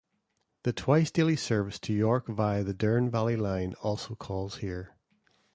The twice-daily service to York via the Dearne Valley Line also calls here.